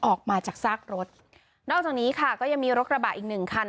ออกมาจากซากรถนอกจากนี้ค่ะก็ยังมีรถกระบะอีกหนึ่งคัน